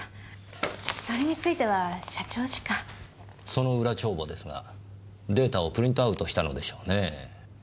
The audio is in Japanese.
その裏帳簿ですがデータをプリントアウトしたのでしょうねぇ。